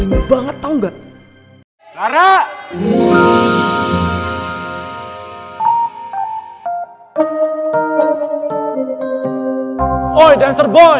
enam tujuh delapan